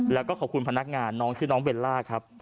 แล้วก็ขอบคุณพนักงานน้องชื่อน้องเบลล่าครับ